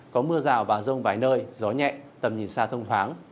có mưa rào và rông vài nơi gió nhẹ tầm nhìn xa thông thoáng